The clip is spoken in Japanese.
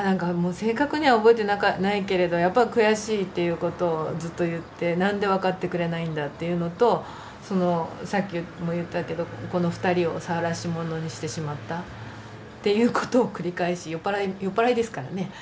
正確には覚えてないけれどやっぱり悔しいっていうことをずっと言ってなんで分かってくれないんだっていうのとそのさっきも言ったけどこの２人をさらし者にしてしまったっていうことを繰り返し酔っ払いですからね。